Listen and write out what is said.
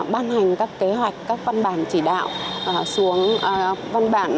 ban hành các kế hoạch các văn bản chỉ đạo xuống văn bản